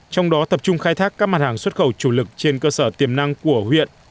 trong đó tập trung khai thác các mặt hàng xuất khẩu chủ lực trên cơ sở tiềm năng của huyện